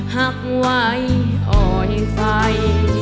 หักไว้อ่อยใส